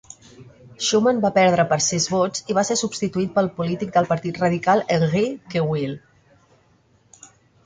Schuman va perdre per sis vots i va ser substituït pel polític del Partit Radical Henri Queuille.